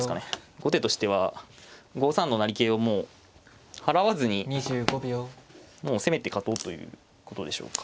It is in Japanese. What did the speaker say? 後手としては５三の成桂をもう払わずにもう攻めて勝とうということでしょうか。